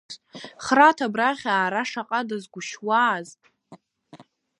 Храҭ абрахь аара шаҟа дазгәышьуаз!